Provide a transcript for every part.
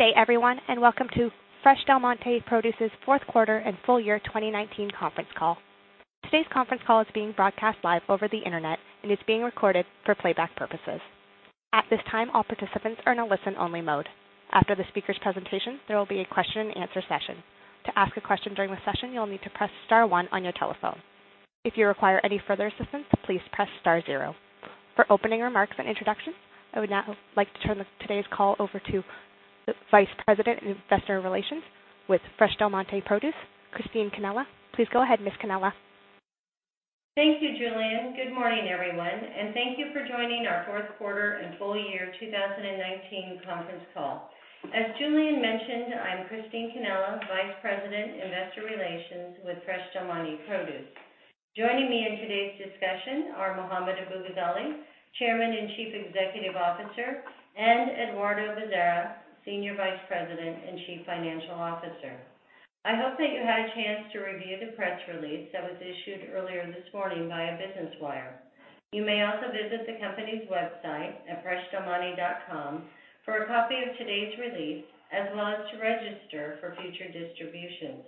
Good day everyone. Welcome to Fresh Del Monte Produce's fourth quarter and full year 2019 conference call. Today's conference call is being broadcast live over the internet and is being recorded for playback purposes. At this time, all participants are in a listen-only mode. After the speakers' presentation, there will be a question-and-answer session. To ask a question during the session, you'll need to press star one on your telephone. If you require any further assistance, please press star zero. For opening remarks and introductions, I would now like to turn today's call over to the Vice President of Investor Relations with Fresh Del Monte Produce, Christine Cannella. Please go ahead, Miss Cannella. Thank you, Julian. Good morning, everyone, and thank you for joining our fourth quarter and full year 2019 conference call. As Julian mentioned, I'm Christine Cannella, Vice President Investor Relations with Fresh Del Monte Produce. Joining me in today's discussion are Mohammad Abu-Ghazaleh, Chairman and Chief Executive Officer, and Eduardo Bezerra, Senior Vice President and Chief Financial Officer. I hope that you had a chance to review the press release that was issued earlier this morning via Business Wire. You may also visit the company's website at freshdelmonte.com for a copy of today's release, as well as to register for future distributions.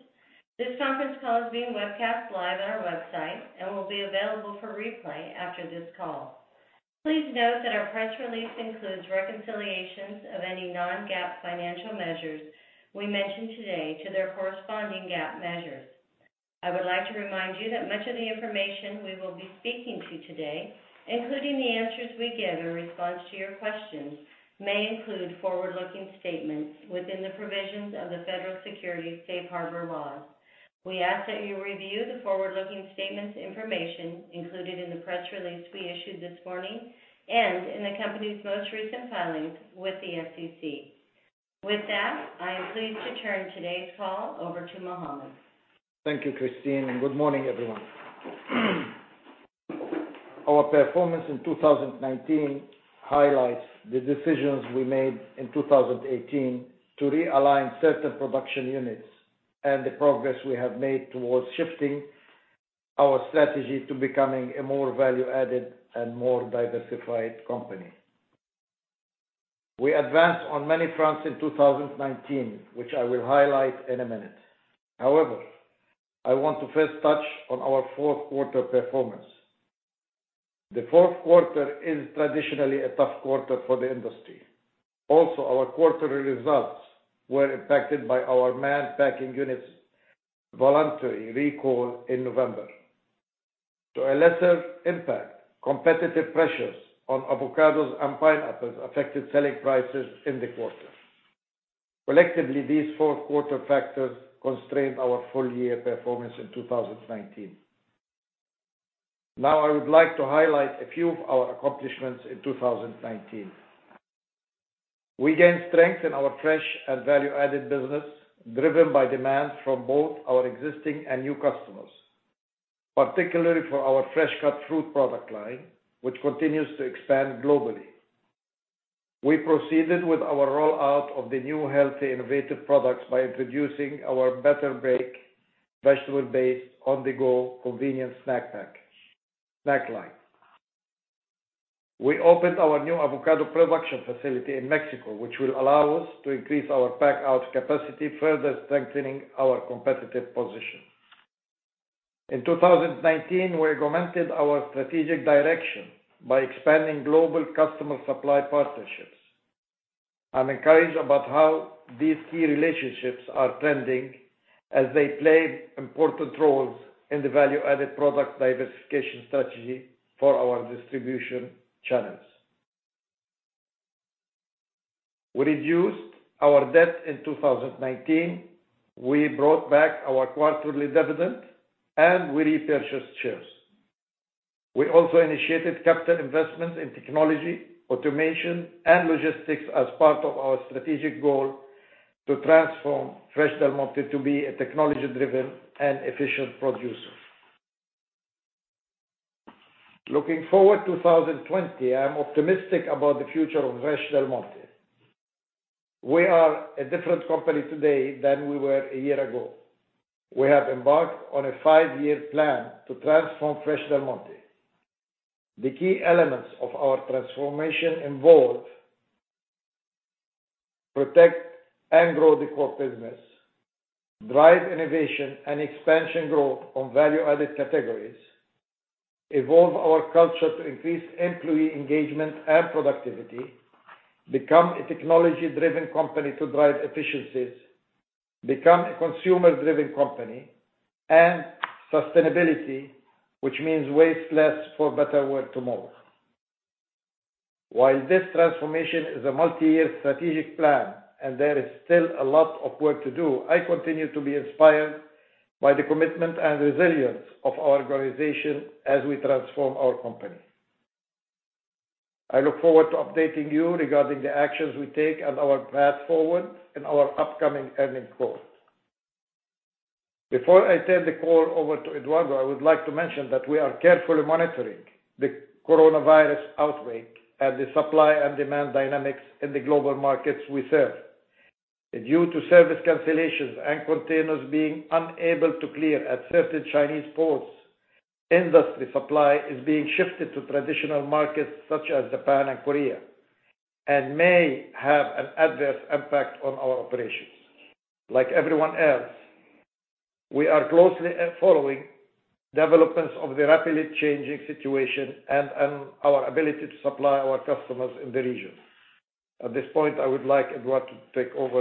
This conference call is being webcast live on our website and will be available for replay after this call. Please note that our press release includes reconciliations of any non-GAAP financial measures we mention today to their corresponding GAAP measures. I would like to remind you that much of the information we will be speaking to today, including the answers we give in response to your questions, may include forward-looking statements within the provisions of the Federal Securities Safe Harbor laws. We ask that you review the forward-looking statements information included in the press release we issued this morning and in the company's most recent filings with the SEC. With that, I am pleased to turn today's call over to Mohammad. Thank you, Christine, and good morning, everyone. Our performance in 2019 highlights the decisions we made in 2018 to realign certain production units and the progress we have made towards shifting our strategy to becoming a more value-added and more diversified company. We advanced on many fronts in 2019, which I will highlight in a minute. I want to first touch on our fourth quarter performance. The fourth quarter is traditionally a tough quarter for the industry. Our quarterly results were impacted by our Mann Packing Units Voluntary recall in November. To a lesser impact, competitive pressures on avocados and pineapples affected selling prices in the quarter. Collectively, these fourth quarter factors constrained our full-year performance in 2019. I would like to highlight a few of our accomplishments in 2019. We gained strength in our fresh and value-added business, driven by demand from both our existing and new customers, particularly for our fresh cut fruit product line, which continues to expand globally. We proceeded with our rollout of the new healthy, innovative products by introducing our Better Break vegetable-based, on-the-go convenience snack line. We opened our new avocado production facility in Mexico, which will allow us to increase our pack-out capacity, further strengthening our competitive position. In 2019, we augmented our strategic direction by expanding global customer supply partnerships. I'm encouraged about how these key relationships are trending as they play important roles in the value-added product diversification strategy for our distribution channels. We reduced our debt in 2019. We brought back our quarterly dividend, and we repurchased shares. We also initiated capital investments in technology, automation, and logistics as part of our strategic goal to transform Fresh Del Monte to be a technology-driven and efficient producer. Looking forward to 2020, I am optimistic about the future of Fresh Del Monte. We are a different company today than we were a year ago. We have embarked on a five-year plan to transform Fresh Del Monte. The key elements of our transformation involve protect and grow the core business, drive innovation and expansion growth on value-added categories, evolve our culture to increase employee engagement and productivity, become a technology-driven company to drive efficiencies, become a consumer-driven company, and sustainability, which means waste less for a better world tomorrow. While this transformation is a multiyear strategic plan, and there is still a lot of work to do, I continue to be inspired by the commitment and resilience of our organization as we transform our company. I look forward to updating you regarding the actions we take and our path forward in our upcoming earnings call. Before I turn the call over to Eduardo, I would like to mention that we are carefully monitoring the coronavirus outbreak and the supply and demand dynamics in the global markets we serve. Due to service cancellations and containers being unable to clear at certain Chinese ports, industry supply is being shifted to traditional markets such as Japan and Korea, and may have an adverse impact on our operations. Like everyone else, we are closely following developments of the rapidly changing situation and our ability to supply our customers in the region. At this point, I would like Edwardo to take over.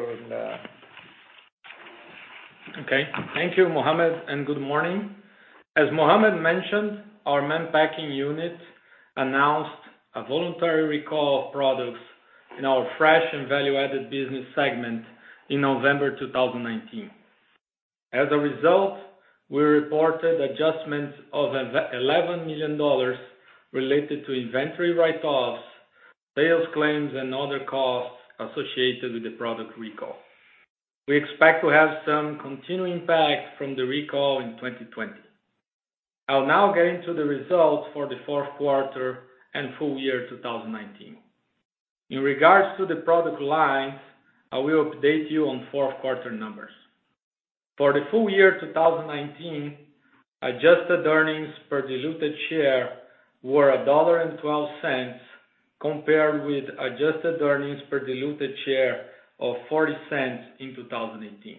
Okay. Thank you, Mohammad, good morning. As Mohammad mentioned, our Mann Packing unit announced a voluntary recall of products in our fresh and value-added business segment in November 2019. As a result, we reported adjustments of $11 million related to inventory write-offs, sales claims, and other costs associated with the product recall. We expect to have some continuing impact from the recall in 2020. I'll now get into the results for the fourth quarter and full year 2019. In regards to the product lines, I will update you on fourth quarter numbers. For the full year 2019, adjusted earnings per diluted share were $1.12, compared with adjusted earnings per diluted share of $0.40 in 2018.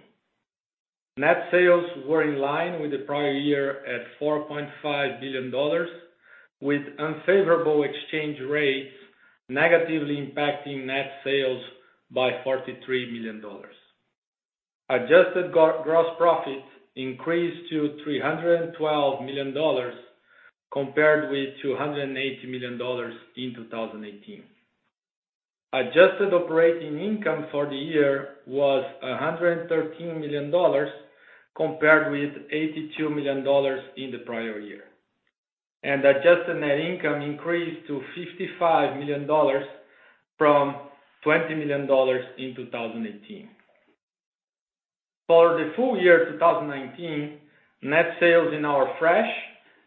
Net sales were in line with the prior year at $4.5 billion, with unfavorable exchange rates negatively impacting net sales by $43 million. Adjusted gross profit increased to $312 million compared with $280 million in 2018. Adjusted operating income for the year was $113 million, compared with $82 million in the prior year. Adjusted net income increased to $55 million from $20 million in 2018. For the full year 2019, net sales in our Fresh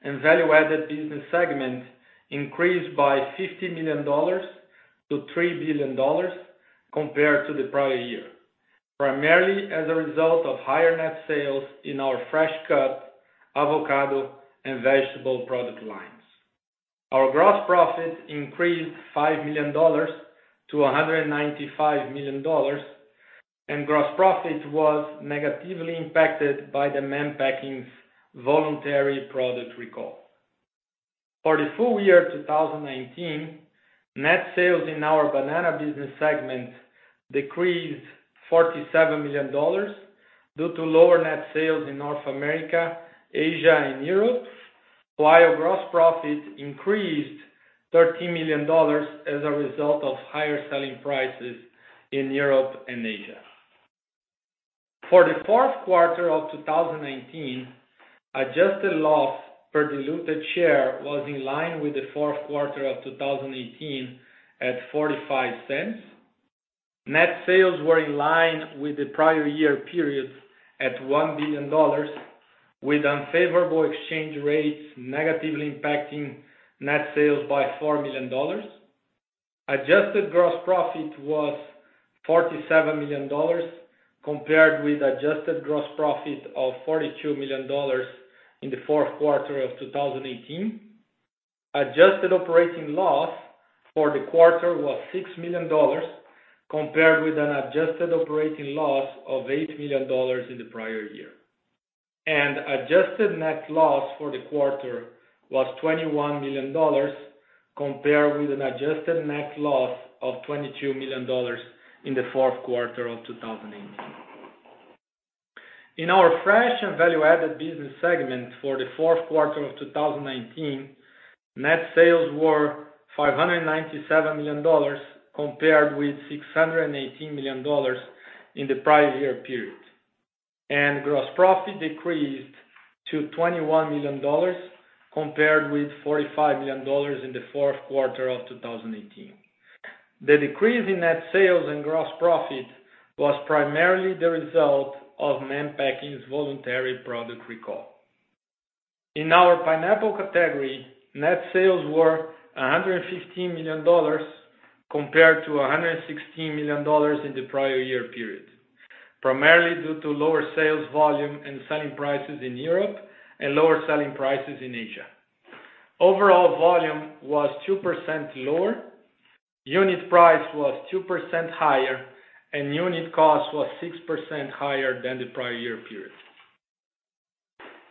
and Value-Added Business Segment increased by $50 million-$3 billion compared to the prior year, primarily as a result of higher net sales in our fresh cut avocado and vegetable product lines. Our gross profit increased $5 million-$195 million, and gross profit was negatively impacted by the Mann Packing's voluntary product recall. For the full year 2019, net sales in our Banana Business Segment decreased $47 million due to lower net sales in North America, Asia, and Europe. While gross profit increased $13 million as a result of higher selling prices in Europe and Asia. For the fourth quarter of 2019, adjusted loss per diluted share was in line with the fourth quarter of 2018 at $0.45. Net sales were in line with the prior year period at $1 billion, with unfavorable exchange rates negatively impacting net sales by $4 million. Adjusted gross profit was $47 million, compared with adjusted gross profit of $42 million in the fourth quarter of 2018. Adjusted operating loss for the quarter was $6 million, compared with an adjusted operating loss of $8 million in the prior year. Adjusted net loss for the quarter was $21 million, compared with an adjusted net loss of $22 million in the fourth quarter of 2018. In our fresh and value-added business segment for the fourth quarter of 2019, net sales were $597 million compared with $618 million in the prior year period. Gross profit decreased to $21 million, compared with $45 million in the fourth quarter of 2018. The decrease in net sales and gross profit was primarily the result of Mann Packing's voluntary product recall. In our pineapple category, net sales were $115 million compared to $116 million in the prior year period, primarily due to lower sales volume and selling prices in Europe and lower selling prices in Asia. Overall volume was 2% lower, unit price was 2% higher, and unit cost was 6% higher than the prior year period.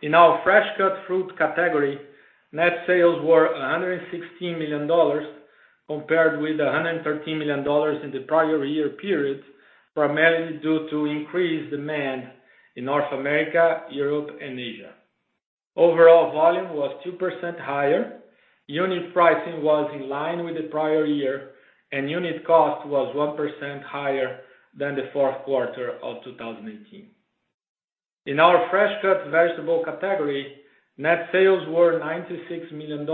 In our fresh cut fruit category, net sales were $116 million compared with $113 million in the prior year period, primarily due to increased demand in North America, Europe, and Asia. Overall volume was 2% higher, unit pricing was in line with the prior year, and unit cost was 1% higher than the fourth quarter of 2018. In our fresh cut vegetable category, net sales were $96 million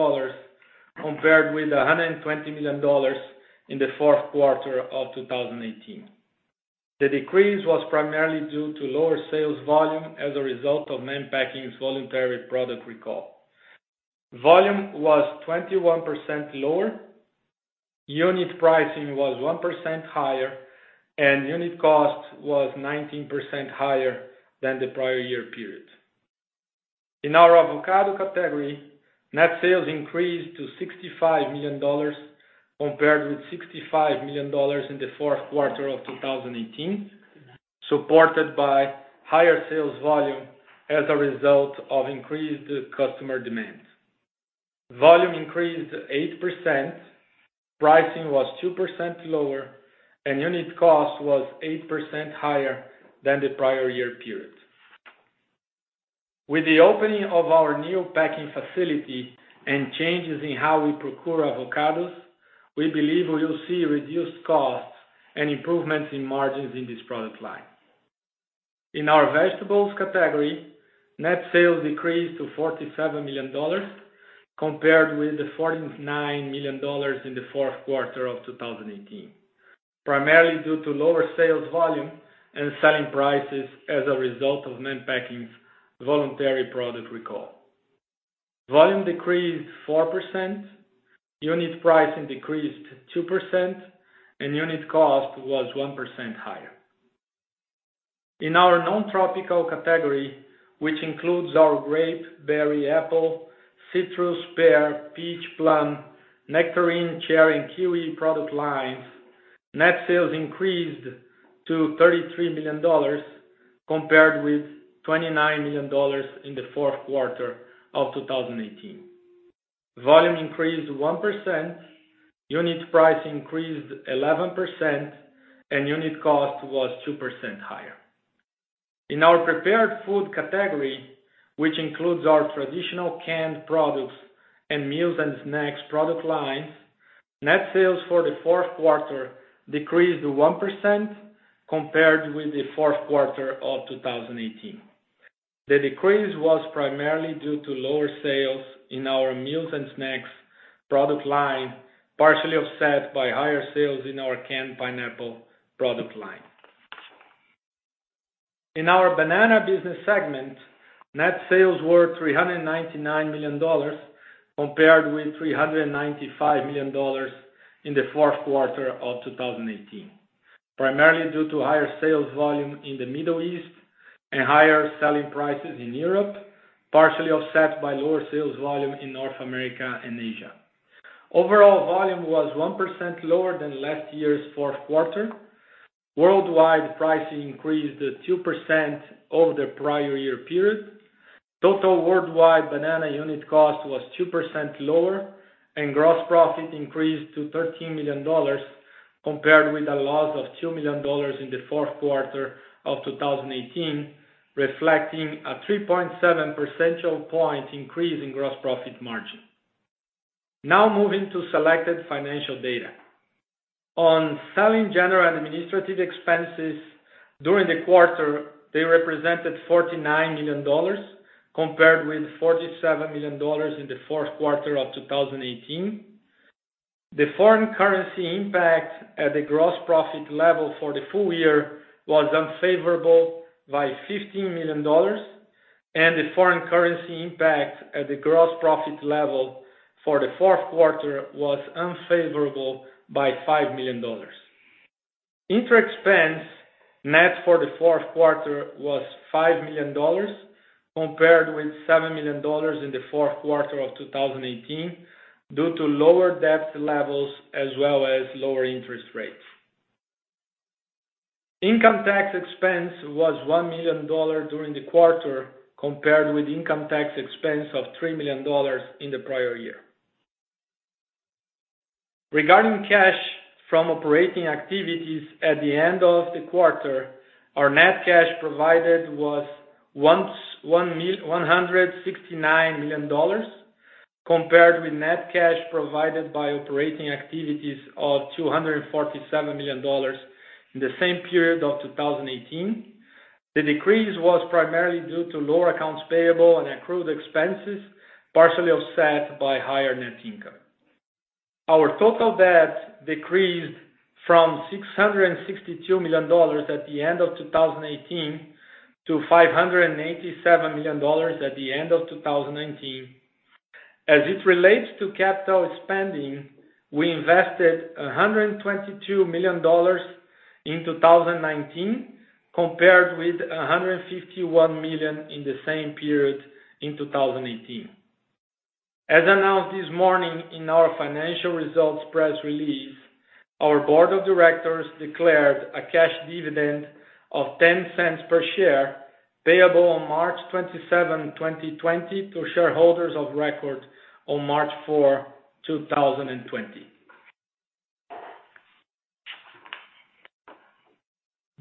compared with $120 million in the fourth quarter of 2018. The decrease was primarily due to lower sales volume as a result of Mann Packing's voluntary product recall. Volume was 21% lower. Unit pricing was 1% higher, and unit cost was 19% higher than the prior year period. In our avocado category, net sales increased to $65 million compared with $65 million in the fourth quarter of 2018, supported by higher sales volume as a result of increased customer demand. Volume increased 8%, pricing was 2% lower, and unit cost was 8% higher than the prior year period. With the opening of our new packing facility and changes in how we procure avocados, we believe we will see reduced costs and improvements in margins in this product line. In our vegetables category, net sales decreased to $47 million compared with the $49 million in the fourth quarter of 2018, primarily due to lower sales volume and selling prices as a result of Mann Packing's voluntary product recall. Volume decreased 4%, unit pricing decreased 2%, and unit cost was 1% higher. In our non-tropical category, which includes our grape, berry, apple, citrus, pear, peach, plum, nectarine, cherry, and kiwi product lines, net sales increased to $33 million compared with $29 million in the fourth quarter of 2018. Volume increased 1%, unit price increased 11%, and unit cost was 2% higher. In our prepared food category, which includes our traditional canned products and meals and snacks product lines, net sales for the fourth quarter decreased 1% compared with the fourth quarter of 2018. The decrease was primarily due to lower sales in our meals and snacks product line, partially offset by higher sales in our canned pineapple product line. In our banana business segment, net sales were $399 million compared with $395 million in the fourth quarter of 2018, primarily due to higher sales volume in the Middle East and higher selling prices in Europe, partially offset by lower sales volume in North America and Asia. Overall volume was 1% lower than last year's fourth quarter. Worldwide pricing increased 2% over the prior year period. Total worldwide banana unit cost was 2% lower, and gross profit increased to $13 million compared with a loss of $2 million in the fourth quarter of 2018, reflecting a 3.7 percentage point increase in gross profit margin. Now moving to selected financial data. On selling general administrative expenses during the quarter, they represented $49 million compared with $47 million in the fourth quarter of 2018. The foreign currency impact at the gross profit level for the full year was unfavorable by $15 million, the foreign currency impact at the gross profit level for the fourth quarter was unfavorable by $5 million. Interest expense net for the fourth quarter was $5 million compared with $7 million in the fourth quarter of 2018 due to lower debt levels as well as lower interest rates. Income tax expense was $1 million during the quarter, compared with income tax expense of $3 million in the prior year. Regarding cash from operating activities at the end of the quarter, our net cash provided was $169 million, compared with net cash provided by operating activities of $247 million in the same period of 2018. The decrease was primarily due to lower accounts payable and accrued expenses, partially offset by higher net income. Our total debt decreased from $662 million at the end of 2018 to $587 million at the end of 2019. As it relates to capital spending, we invested $122 million in 2019, compared with $151 million in the same period in 2018. As announced this morning in our financial results press release, our board of directors declared a cash dividend of $0.10 per share payable on March 27, 2020 to shareholders of record on March 4, 2020.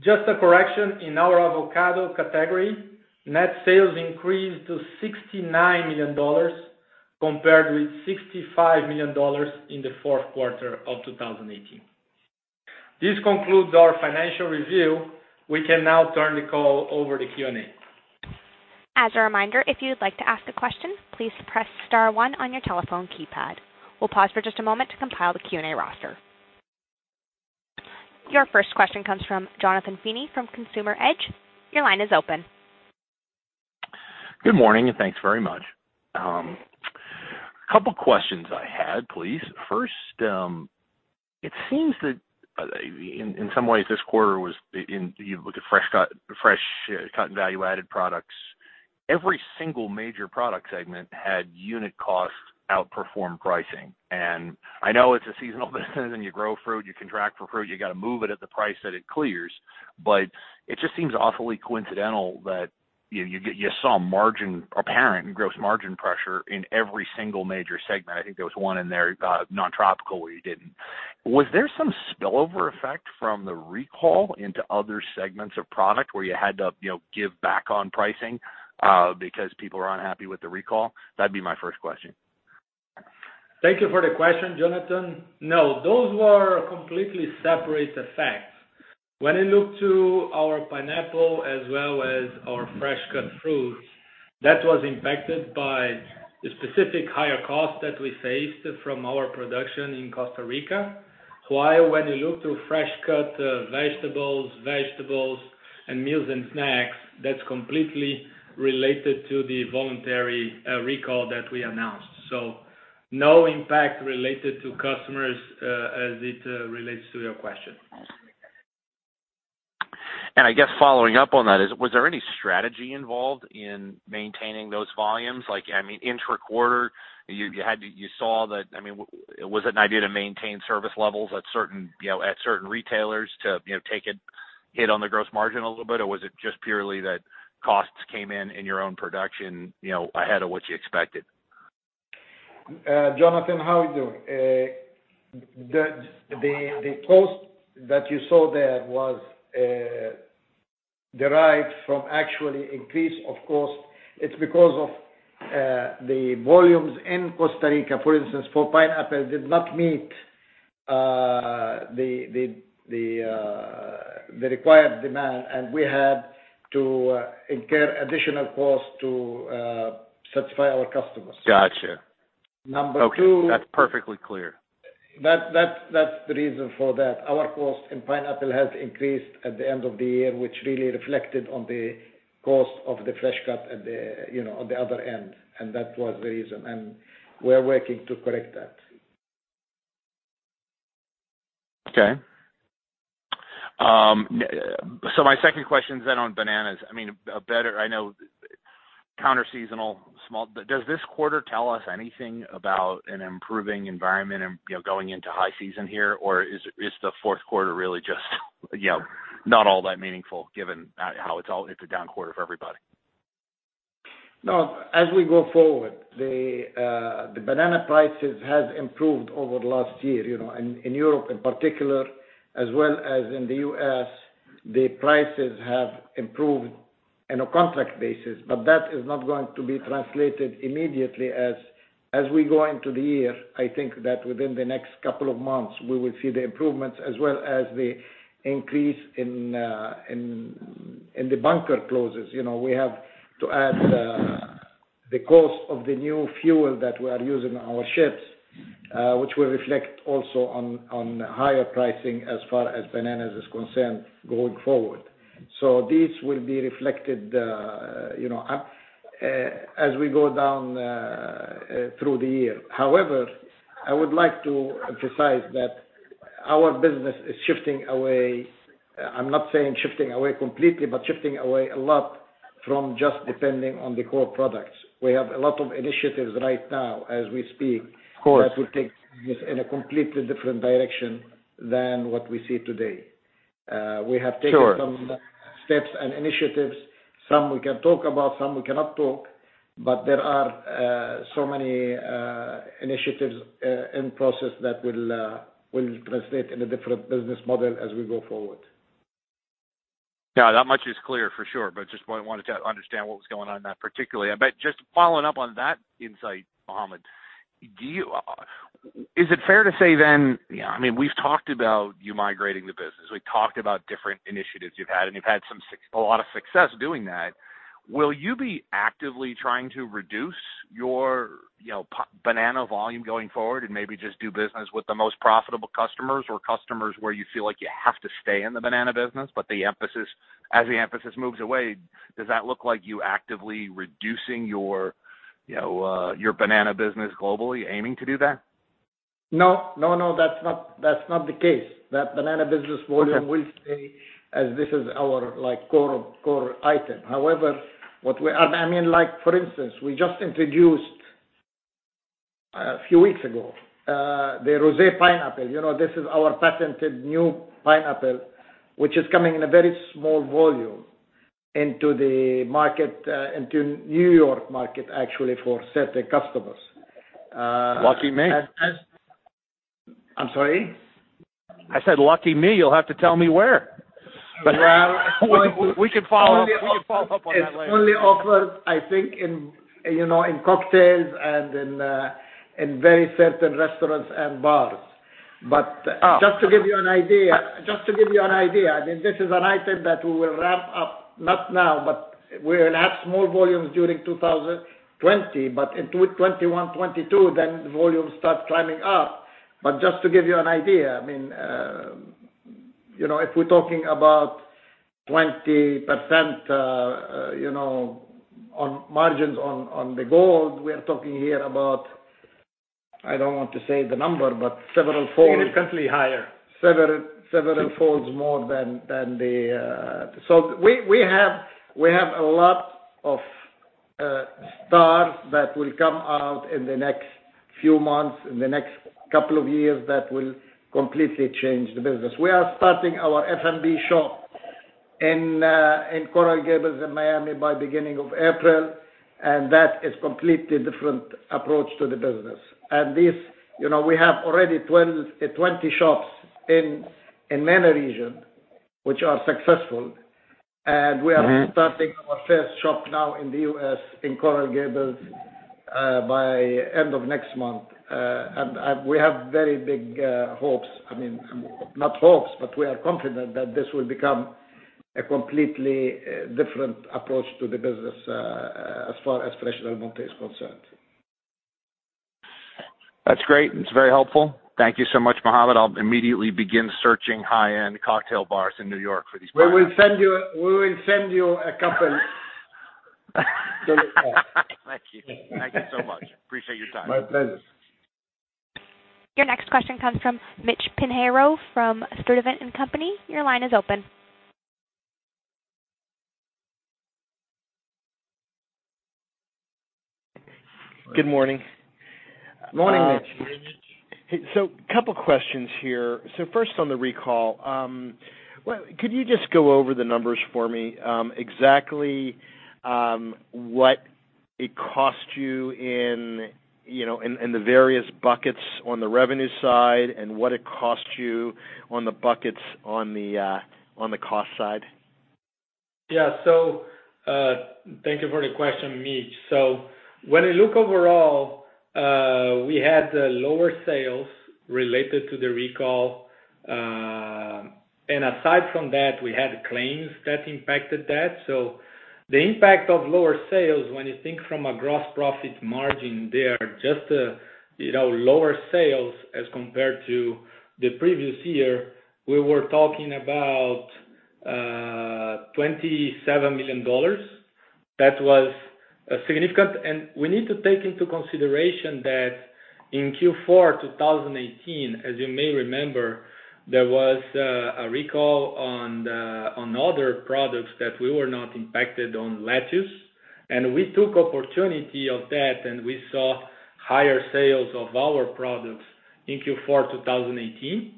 Just a correction. In our avocado category, net sales increased to $69 million compared with $65 million in the fourth quarter of 2018. This concludes our financial review. We can now turn the call over to Q&A. As a reminder, if you would like to ask a question, please press star one on your telephone keypad. We'll pause for just a moment to compile the Q&A roster. Your first question comes from Jonathan Feeney from Consumer Edge. Your line is open. Good morning, and thanks very much. A couple questions I had, please. First, it seems that in some ways this quarter, you look at fresh cut and value-added products, every single major product segment had unit cost outperform pricing. I know it's a seasonal business, and you grow fruit, you contract for fruit, you got to move it at the price that it clears. It just seems awfully coincidental that you saw margin apparent and gross margin pressure in every single major segment. I think there was one in there, non-tropical, where you didn't. Was there some spillover effect from the recall into other segments of product where you had to give back on pricing because people are unhappy with the recall? That'd be my first question. Thank you for the question, Jonathan. No, those were completely separate effects. When you look to our pineapple as well as our fresh cut fruits, that was impacted by the specific higher cost that we faced from our production in Costa Rica. While when you look to fresh cut vegetables and meals and snacks, that's completely related to the voluntary recall that we announced. No impact related to customers as it relates to your question. I guess following up on that, was there any strategy involved in maintaining those volumes? Like, intra-quarter, was it an idea to maintain service levels at certain retailers to take a hit on the gross margin a little bit, or was it just purely that costs came in in your own production ahead of what you expected? Jonathan, how are you doing? The cost that you saw there was derived from actually increase of cost. It's because of the volumes in Costa Rica, for instance, for pineapple, did not meet the required demand, and we had to incur additional costs to satisfy our customers. Got you. Number two- Okay. That's perfectly clear. That's the reason for that. Our cost in pineapple has increased at the end of the year, which really reflected on the cost of the fresh cut on the other end, and that was the reason. We're working to correct that. Okay. My second question is on bananas. I know counter seasonal. Does this quarter tell us anything about an improving environment going into high season here, or is the fourth quarter really just not all that meaningful given how it's a down quarter for everybody? No. As we go forward, the banana prices has improved over the last year. In Europe, in particular, as well as in the U.S., the prices have improved in a contract basis. That is not going to be translated immediately. As we go into the year, I think that within the next couple of months, we will see the improvements as well as the increase in the bunker clauses. We have to add the cost of the new fuel that we are using our ships, which will reflect also on higher pricing as far as bananas is concerned going forward. These will be reflected up as we go down through the year. However, I would like to emphasize that our business is shifting away. I'm not saying shifting away completely, but shifting away a lot from just depending on the core products. We have a lot of initiatives right now as we speak. Of course. That will take business in a completely different direction than what we see today. Sure. We have taken some steps and initiatives. Some we can talk about, some we cannot talk. There are so many initiatives in process that will translate in a different business model as we go forward. Yeah, that much is clear, for sure. Just wanted to understand what was going on in that particularly. Just following up on that insight, Mohammad, is it fair to say then, we've talked about you migrating the business, we've talked about different initiatives you've had, and you've had a lot of success doing that. Will you be actively trying to reduce your banana volume going forward and maybe just do business with the most profitable customers or customers where you feel like you have to stay in the banana business, but as the emphasis moves away, does that look like you actively reducing your banana business globally, aiming to do that? No, that's not the case. That banana business volume- Okay will stay as this is our core item. For instance, we just introduced a few weeks ago, the Pinkglow Pineapple. This is our patented new pineapple, which is coming in a very small volume into New York market, actually, for certain customers. Lucky me. I'm sorry? I said lucky me. You'll have to tell me where. Well- We can follow up on that later. It's only offered, I think, in cocktails and in very certain restaurants and bars. Just to give you an idea, this is an item that we will ramp up, not now, but we'll have small volumes during 2020. In 2021, 2022, then volume starts climbing up. Just to give you an idea, I mean, if we're talking about 20% on margins on the gold, we are talking here about, I don't want to say the number, but several folds. Significantly higher. Several folds more. We have a lot of stars that will come out in the next few months, in the next couple of years, that will completely change the business. We are starting our F&B shop in Coral Gables in Miami by the beginning of April, and that is completely different approach to the business. We have already 20 shops in many regions which are successful. Starting our first shop now in the U.S., in Coral Gables, by end of next month. We have very big hopes. I mean, not hopes, but we are confident that this will become a completely different approach to the business as far as Fresh Del Monte is concerned. That's great, and it's very helpful. Thank you so much, Mohammad. I'll immediately begin searching high-end cocktail bars in New York for these products. We will send you a couple. Thank you. Thank you so much. Appreciate your time. My pleasure. Your next question comes from Mitch Pinheiro from Sturdivant & Co. Your line is open. Good morning. Morning, Mitch. Couple questions here. First on the recall. Could you just go over the numbers for me, exactly what it cost you in the various buckets on the revenue side and what it cost you on the buckets on the cost side? Thank you for the question, Mitch. When you look overall, we had lower sales related to the recall. Aside from that, we had claims that impacted that. The impact of lower sales, when you think from a gross profit margin there, just lower sales as compared to the previous year, we were talking about $27 million. That was significant. We need to take into consideration that in Q4 2018, as you may remember, there was a recall on other products that we were not impacted on lettuce. We took opportunity of that, and we saw higher sales of our products in Q4 2018.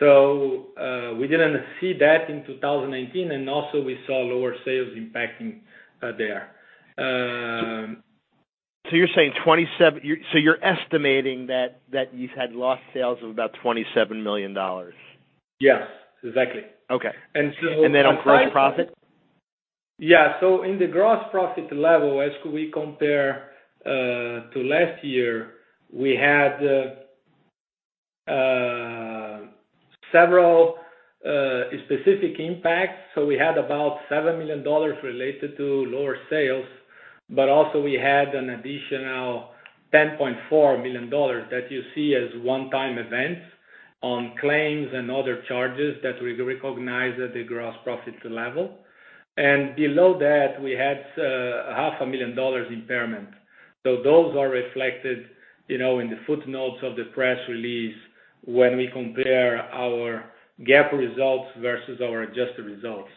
We didn't see that in 2019, and also we saw lower sales impacting there. You're estimating that you've had lost sales of about $27 million? Yes, exactly. Okay. And so- On gross profit? In the gross profit level, as we compare to last year, we had several specific impacts. We had about $7 million related to lower sales, but also we had an additional $10.4 million that you see as one-time events on claims and other charges that we recognize at the gross profit level. Below that, we had a half a million dollars impairment. Those are reflected in the footnotes of the press release when we compare our GAAP results versus our adjusted results.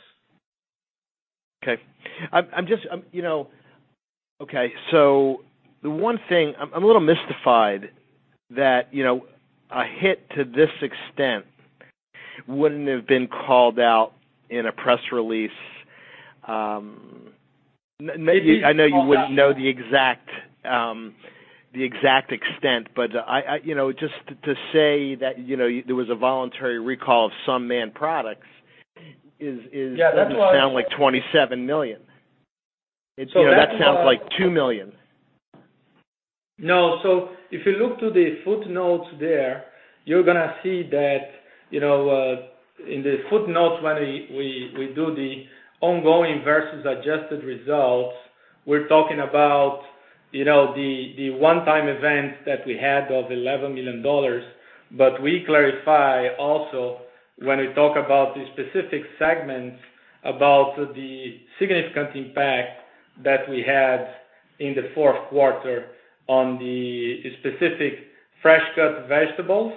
The one thing, I'm a little mystified that a hit to this extent wouldn't have been called out in a press release. Maybe- I know you wouldn't know the exact extent, but just to say that there was a voluntary recall of some Mann products is doesn't sound like $27 million. That sounds like $2 million. Yeah. No, if you look to the footnotes there, you're going to see that in the footnotes, when we do the ongoing versus adjusted results, we're talking about the one-time events that we had of $11 million. We clarify also when we talk about the specific segments about the significant impact that we had in the fourth quarter on the specific fresh cut vegetables,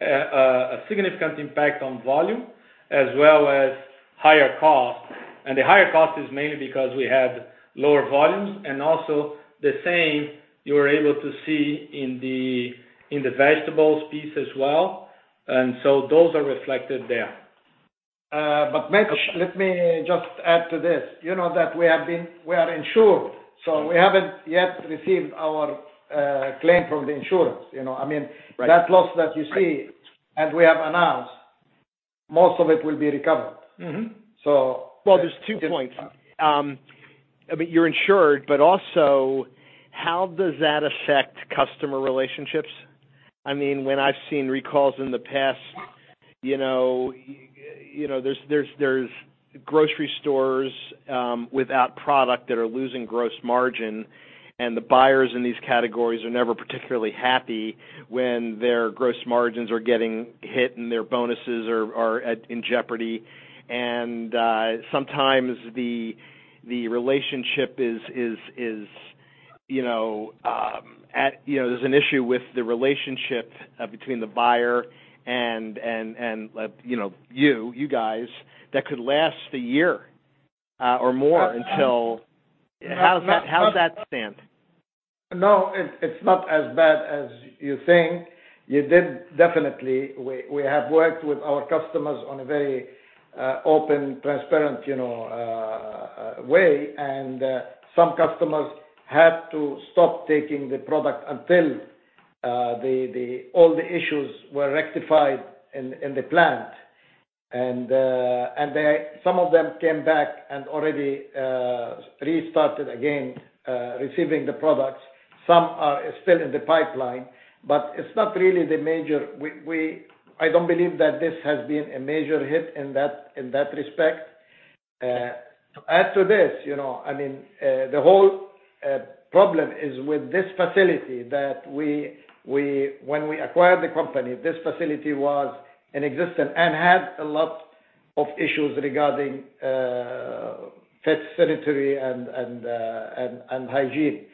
a significant impact on volume, as well as higher cost. The higher cost is mainly because we had lower volumes. Also, the same you are able to see in the vegetables piece as well. Those are reflected there. Mitch, let me just add to this, you know that we are insured. We haven't yet received our claim from the insurance. Right. That loss that you see, and we have announced, most of it will be recovered. So- Well, there's two points. You're insured, also how does that affect customer relationships? When I've seen recalls in the past. There's grocery stores without product that are losing gross margin. The buyers in these categories are never particularly happy when their gross margins are getting hit and their bonuses are in jeopardy. Sometimes there's an issue with the relationship between the buyer and you guys that could last a year or more. How's that stand? No, it's not as bad as you think. Definitely, we have worked with our customers on a very open, transparent way, and some customers had to stop taking the product until all the issues were rectified in the plant. Some of them came back and already restarted again receiving the products. Some are still in the pipeline. I don't believe that this has been a major hit in that respect. To add to this, the whole problem is with this facility, that when we acquired the company, this facility was in existence and had a lot of issues regarding sanitary and hygiene.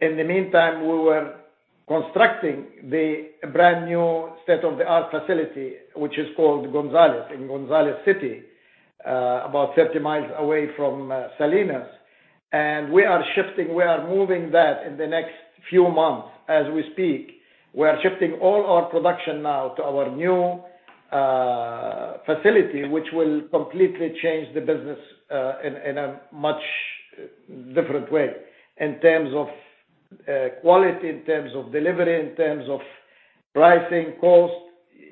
In the meantime, we were constructing the brand new state of the art facility, which is called Gonzales, in Gonzales City, about 30 miles away from Salinas. We are shifting, we are moving that in the next few months as we speak. We are shifting all our production now to our new facility, which will completely change the business in a much different way in terms of quality, in terms of delivery, in terms of pricing, cost,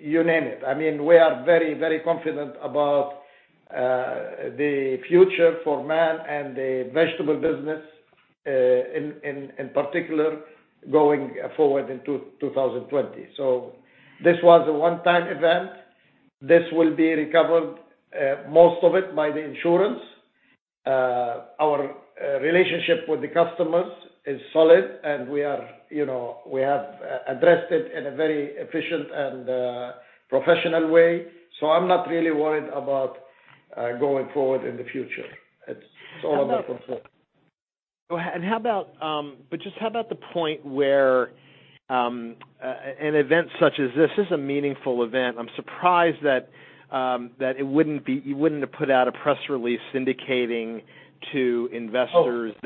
you name it. We are very confident about the future for Mann and the vegetable business, in particular, going forward into 2020. This was a one-time event. This will be recovered, most of it, by the insurance. Our relationship with the customers is solid, and we have addressed it in a very efficient and professional way. I'm not really worried about going forward in the future. It's all under control. Just how about the point where an event such as this is a meaningful event. I'm surprised that you wouldn't have put out a press release indicating to investors. Oh.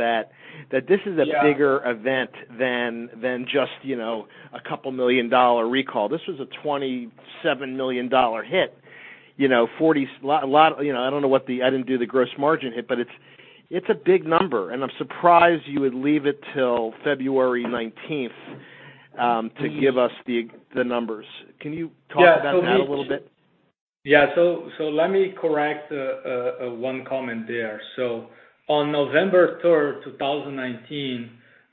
That this is- Yeah. bigger event than just a couple million dollar recall. This was a $27 million hit. I didn't do the gross margin hit, but it's a big number, and I'm surprised you would leave it till February 19th to give us the numbers. Can you talk about that a little bit? Let me correct one comment there. On November 3rd, 2019,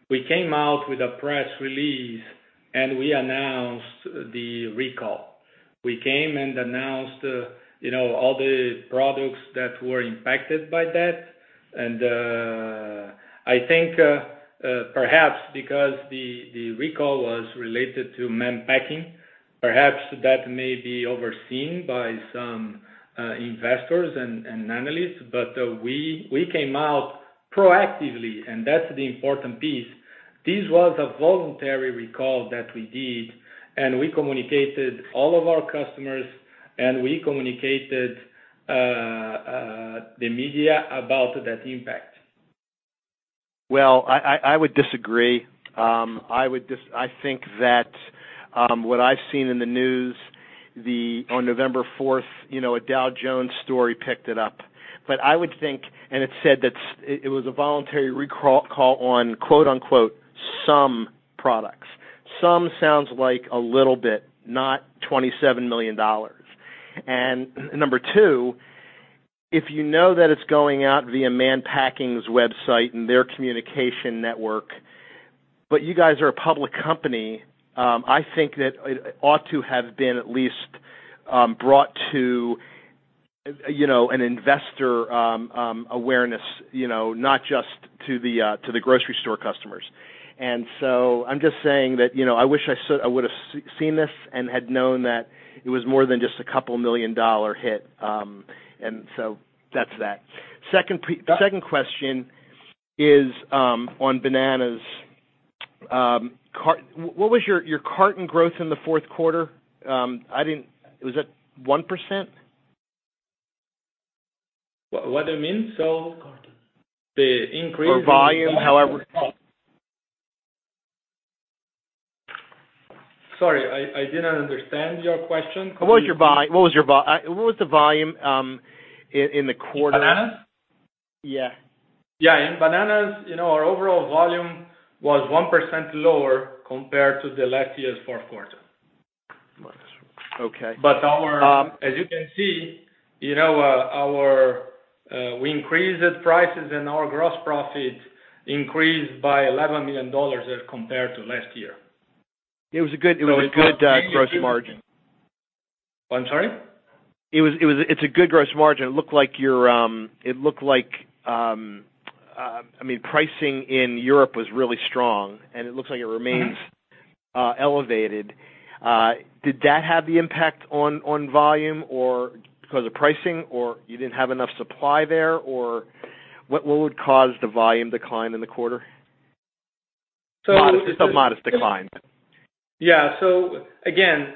we came out with a press release and we announced the recall. We came and announced all the products that were impacted by that, and I think perhaps because the recall was related to Mann Packing, perhaps that may be overseen by some investors and analysts, but we came out proactively, and that's the important piece. This was a voluntary recall that we did, and we communicated all of our customers, and we communicated the media about that impact. Well, I would disagree. I think that what I've seen in the news, on November 4th, a Dow Jones story picked it up. It said that it was a voluntary recall on quote unquote, some products. Some sounds like a little bit, not $27 million. Number two, if you know that it's going out via Mann Packing's website and their communication network, but you guys are a public company, I think that it ought to have been at least brought to an investor awareness, not just to the grocery store customers. I'm just saying that I wish I would've seen this and had known that it was more than just a couple million dollar hit. That's that. Second question is on bananas. What was your carton growth in the fourth quarter? Was that 1%? What do you mean? Volume, however. Sorry, I did not understand your question. What was the volume in the quarter? In bananas? Yeah. Yeah. In bananas, our overall volume was 1% lower compared to the last year's fourth quarter. Okay. As you can see, our Increased prices and our gross profit increased by $11 million as compared to last year. It was a good gross margin. I'm sorry? It's a good gross margin. Pricing in Europe was really strong, and it looks like it remains elevated. Did that have the impact on volume or because of pricing, or you didn't have enough supply there? Or what would cause the volume decline in the quarter? A modest decline. Again,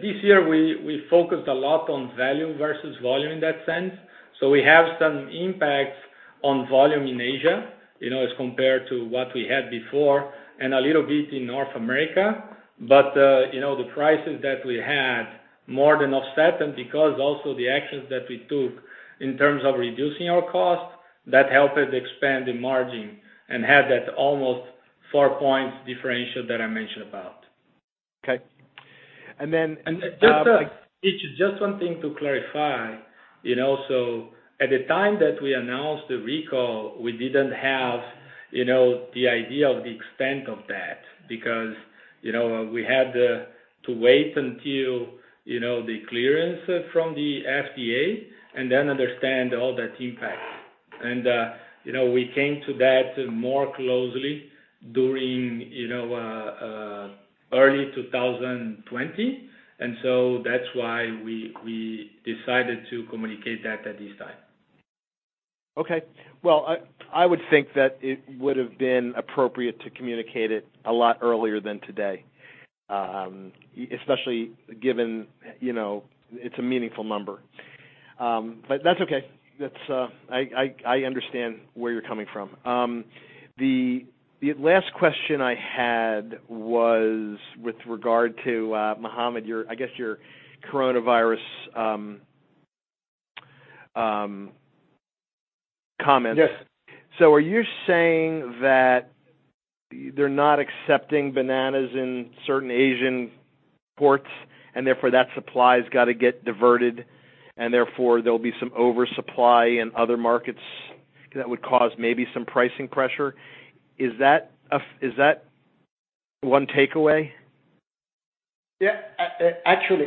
this year we focused a lot on value versus volume in that sense. We have some impacts on volume in Asia as compared to what we had before, and a little bit in North America. The prices that we had more than offset them, because also the actions that we took in terms of reducing our cost, that helped us expand the margin and had that almost four points differential that I mentioned about. Okay. Just one thing to clarify. At the time that we announced the recall, we didn't have the idea of the extent of that, because we had to wait until the clearance from the FDA and then understand all that impact. We came to that more closely during early 2020. That's why we decided to communicate that at this time. Okay. Well, I would think that it would have been appropriate to communicate it a lot earlier than today. Especially given it's a meaningful number. That's okay. I understand where you're coming from. The last question I had was with regard to, Mohammad, I guess your coronavirus comments. Yes. Are you saying that they're not accepting bananas in certain Asian ports and therefore that supply has got to get diverted, and therefore there'll be some oversupply in other markets that would cause maybe some pricing pressure? Is that one takeaway? Yeah. Actually,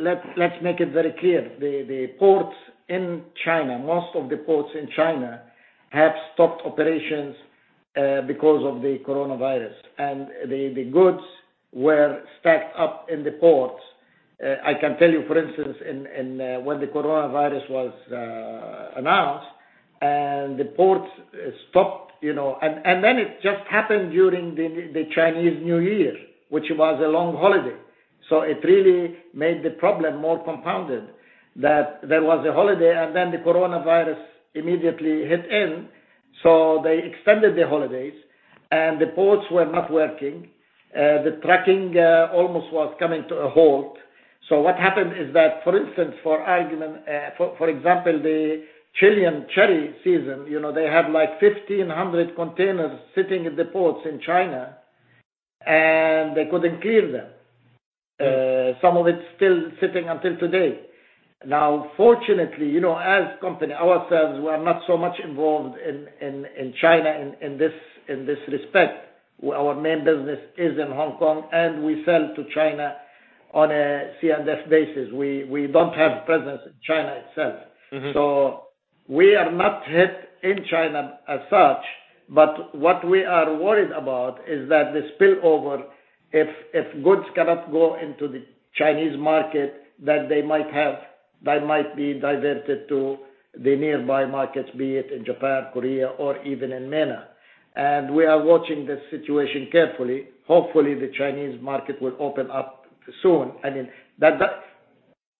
let's make it very clear. The ports in China, most of the ports in China have stopped operations because of the coronavirus. The goods were stacked up in the ports. I can tell you, for instance, when the coronavirus was announced and the ports stopped. It just happened during the Chinese New Year, which was a long holiday. It really made the problem more compounded that there was a holiday, and then the coronavirus immediately hit in. They extended the holidays, and the ports were not working. The trucking almost was coming to a halt. What happened is that, for instance, for example, the Chilean cherry season, they had like 1,500 containers sitting at the ports in China, and they couldn't clear them. Yes. Some of it's still sitting until today. Fortunately, as company ourselves, we are not so much involved in China in this respect. Our main business is in Hong Kong, and we sell to China on a CNF basis. We don't have presence in China itself. We are not hit in China as such, but what we are worried about is that the spillover, if goods cannot go into the Chinese market, that they might be diverted to the nearby markets, be it in Japan, Korea, or even in MENA. We are watching this situation carefully. Hopefully, the Chinese market will open up soon. I mean,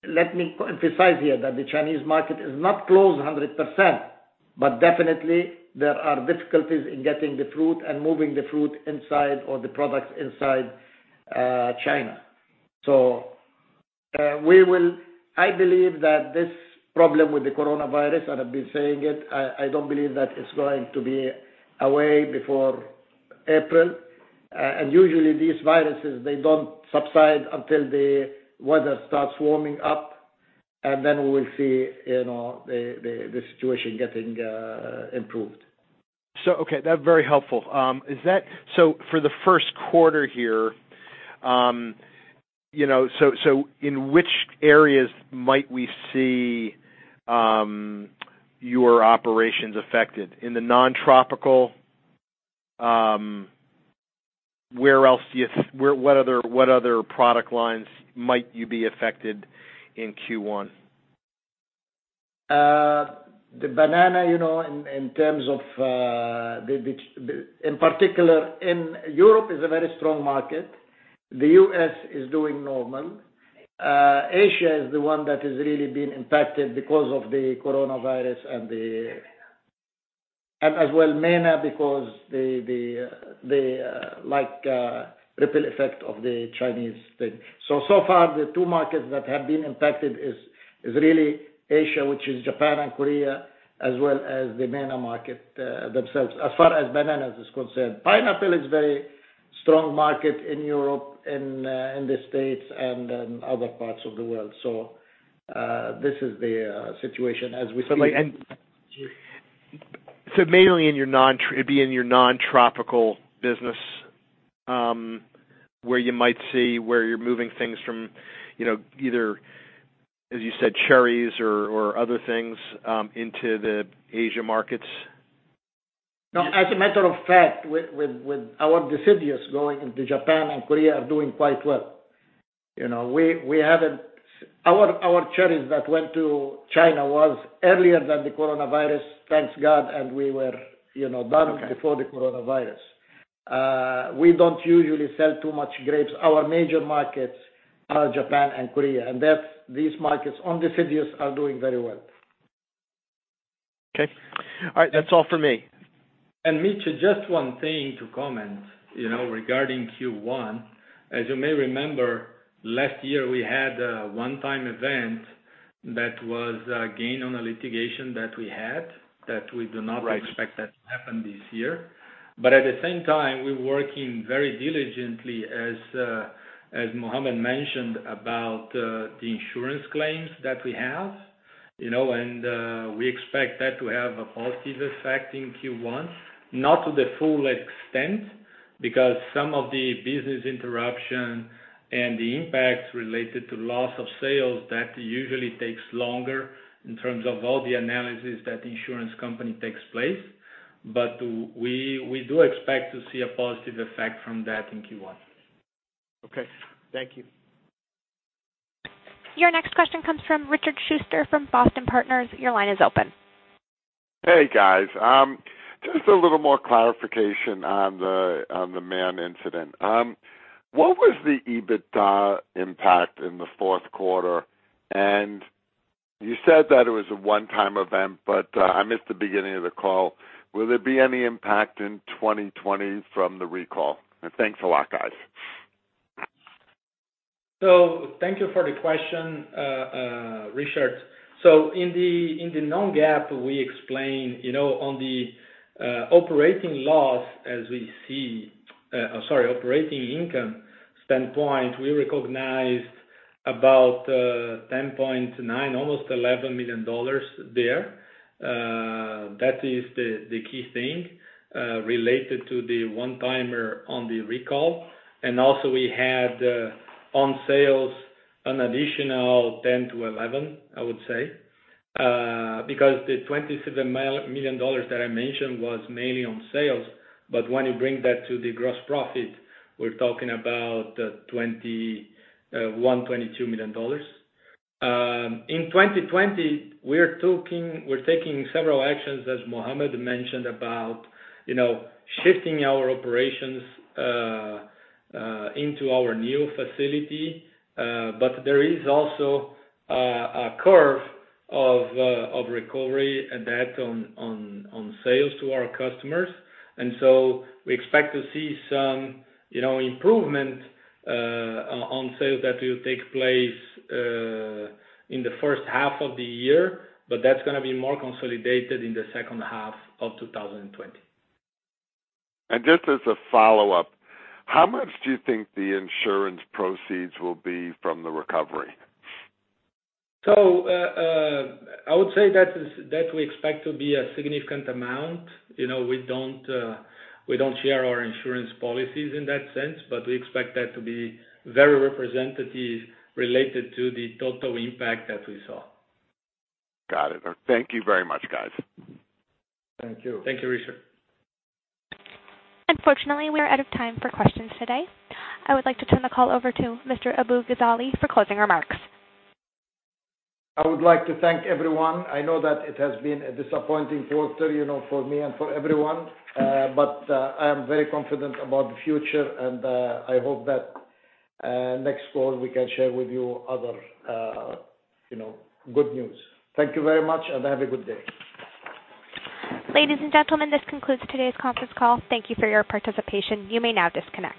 let me emphasize here that the Chinese market is not closed 100%, but definitely there are difficulties in getting the fruit and moving the fruit inside or the products inside China. I believe that this problem with the coronavirus, and I've been saying it, I don't believe that it's going to be away before April. Usually these viruses, they don't subside until the weather starts warming up, and then we will see the situation getting improved. Okay, that's very helpful. For the first quarter here, in which areas might we see your operations affected? In the non-tropical, what other product lines might you be affected in Q1? The banana, in particular in Europe, is a very strong market. The U.S. is doing normal. Asia is the one that has really been impacted because of the coronavirus, and as well MENA, because the ripple effect of the Chinese thing. So far the two markets that have been impacted is really Asia, which is Japan and Korea, as well as the MENA market themselves. As far as bananas is concerned. Pineapple is very strong market in Europe, in the States, and in other parts of the world. This is the situation as we see it. Mainly it'd be in your non-tropical business, where you might see where you're moving things from either, as you said, cherries or other things into the Asia markets? No, as a matter of fact, with our deciduous going into Japan and Korea are doing quite well. Our cherries that went to China was earlier than the coronavirus, thank God. Okay. Before the coronavirus. We don't usually sell too much grapes. Our major markets are Japan and Korea. These markets on deciduous are doing very well. Okay. All right, that's all for me. Mitch, just one thing to comment regarding Q1. As you may remember, last year we had a one-time event that was a gain on a litigation that we had, that we do not- Right. expect that to happen this year. At the same time, we're working very diligently, as Mohammad mentioned, about the insurance claims that we have. We expect that to have a positive effect in Q1, not to the full extent, because some of the business interruption and the impacts related to loss of sales, that usually takes longer in terms of all the analysis that insurance company takes place. We do expect to see a positive effect from that in Q1. Okay. Thank you. Your next question comes from Richard Shuster from Boston Partners. Your line is open. Hey, guys. Just a little more clarification on the Mann incident. What was the EBITDA impact in the fourth quarter? You said that it was a one-time event, but I missed the beginning of the call. Will there be any impact in 2020 from the recall? Thanks a lot, guys. Thank you for the question, Richard. In the non-GAAP, we explain on the operating loss operating income standpoint, we recognized about 10.9, almost $11 million there. That is the key thing related to the one-timer on the recall. Also we had on sales an additional 10 to 11, I would say, because the $27 million that I mentioned was mainly on sales. When you bring that to the gross profit, we're talking about $21 million, $22 million. In 2020, we're taking several actions, as Mohammad mentioned, about shifting our operations into our new facility. There is also a curve of recovery and that on sales to our customers. We expect to see some improvement on sales that will take place in the first half of the year, but that's going to be more consolidated in the second half of 2020. Just as a follow-up, how much do you think the insurance proceeds will be from the recovery? I would say that we expect to be a significant amount. We don't share our insurance policies in that sense, but we expect that to be very representative related to the total impact that we saw. Got it. Thank you very much, guys. Thank you. Thank you, Richard. Unfortunately, we are out of time for questions today. I would like to turn the call over to Mr. Abu-Ghazaleh for closing remarks. I would like to thank everyone. I know that it has been a disappointing quarter, for me and for everyone. I am very confident about the future, and I hope that next call we can share with you other good news. Thank you very much, and have a good day. Ladies and gentlemen, this concludes today's conference call. Thank you for your participation. You may now disconnect.